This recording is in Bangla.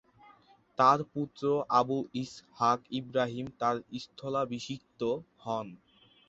তার পুত্র আবু ইসহাক ইব্রাহিম তার স্থলাভিষিক্ত হন।